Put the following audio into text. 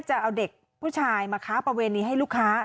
จะเอาเด็กผู้ชายมาค้าประเวณีให้ลูกค้า